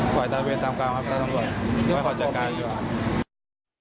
ก็ก่อยตามการครับตัดตรวจและขอจัดการก่อน